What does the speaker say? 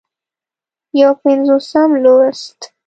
یو پينځوسم لوست